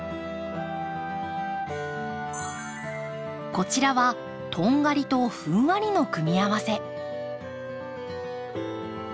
こちらは「とんがり」と「ふんわり」の組み合わせ。